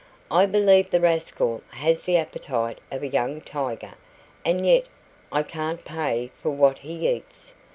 I believe the rascal has the appetite of a young tiger and yet I can't pay for what he eats!